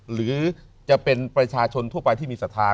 หรือจะเป็นประชาชนทั่วไปที่มีศรัทธา